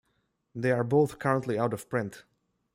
They are both currently out-of-print.